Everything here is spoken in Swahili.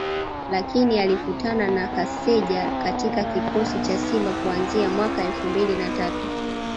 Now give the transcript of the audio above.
lakini alikutana na Kaseja katika kikosi cha Simba kuanzia mwaka elfu mbili na tatu